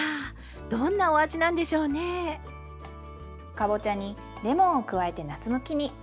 かぼちゃにレモンを加えて夏向きに。